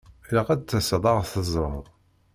Ilaq ad taseḍ ad ɣ-teẓṛeḍ!